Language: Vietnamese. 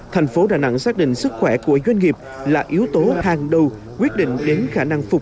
tp đà nẵng xác định sức khỏe của doanh nghiệp là yếu tố hàng đầu